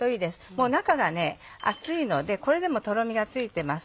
もう中が熱いのでこれでもとろみがついてます。